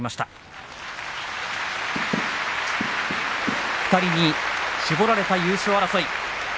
拍手２人に絞られた優勝争い。